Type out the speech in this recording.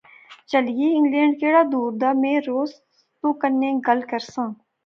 چہلئے، انگلینڈ کیڑا دور دا روز میں تو کنے گل کرساں